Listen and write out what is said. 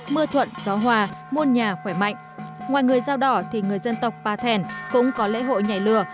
mưa thuận gió hòa muôn nhà khỏe mạnh ngoài người dao đỏ thì người dân tộc pa thèn cũng có lễ hội nhảy lửa